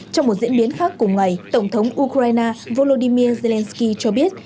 trong một diễn biến khác cùng ngày tổng thống ukraine volodymyr zelensky cho biết